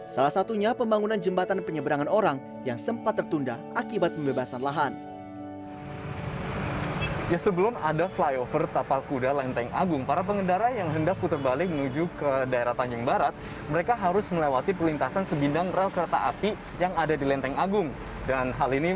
salah satunya pembangunan jembatan penyeberangan orang yang sempat tertunda akibat pembebasan lahan